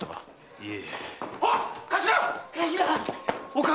いえ！